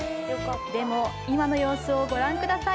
でも、今の様子を御覧ください